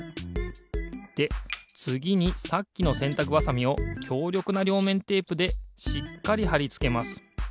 でつぎにさっきのせんたくばさみをきょうりょくなりょうめんテープでしっかりはりつけます。